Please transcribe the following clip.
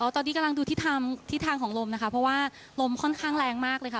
ตอนนี้กำลังดูทิศทางของลมนะคะเพราะว่าลมค่อนข้างแรงมากเลยค่ะ